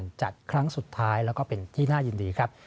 จัดครั้งสุดท้ายแล้วก็เป็นที่น่ายินดีครับ